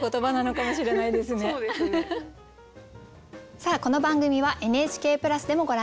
さあこの番組はＮＨＫプラスでもご覧になれます。